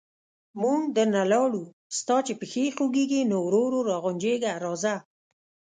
موږ درنه لاړو، ستا چې پښې خوګېږي، نو ورو ورو را غونجېږه راځه...